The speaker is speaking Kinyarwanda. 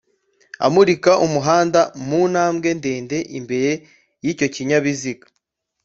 Amurika umuhanda mu ntambwe ndende imbere y icyo kinyabiziga